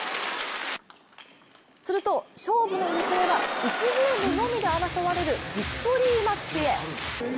すると、勝負の行方は１ゲームのみで争われるビクトリーマッチへ。